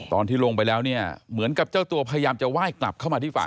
ตอนที่ลงไปแล้วเนี่ยเหมือนกับเจ้าตัวพยายามจะไหว้กลับเข้ามาที่ฝั่ง